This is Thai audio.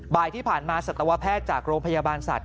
บ่ายที่ผ่านมาสัตวแพทย์จากโรงพยาบาลสัตว